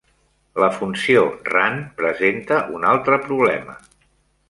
La funció "rand" presenta un altre problema.